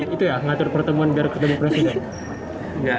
itu ya ngatur pertemuan biar ketemu presiden